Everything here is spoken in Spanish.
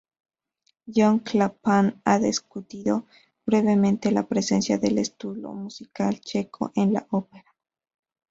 John Clapham ha discutido brevemente la presencia del estilo musical checo en la ópera.